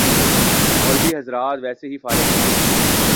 مولوی حضرات ویسے ہی فارغ لگتے ہیں۔